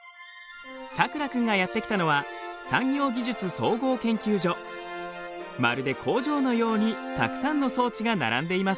さくら君がやって来たのはまるで工場のようにたくさんの装置が並んでいます。